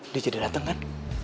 dia jadi dateng kan